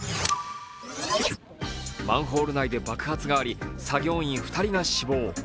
マンホール内で爆発があり作業員２人が死亡。